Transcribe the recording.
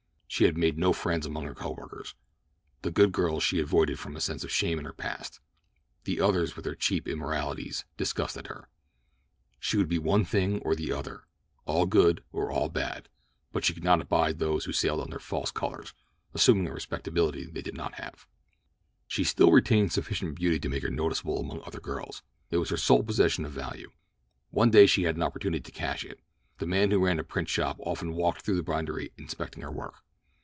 She had made no friends among her coworkers. The good girls she avoided from a sense of shame in her past; the others, with their cheap immoralities, disgusted her. She would be one thing or the other—all good or all bad—and so she could not abide those who sailed under false colors, assuming a respectability that they did not have. She still retained sufficient beauty to make her noticeable among other girls. It was her sole possession of value. One day she had an opportunity to cash it. The man who ran the print shop often walked through the bindery inspecting the work.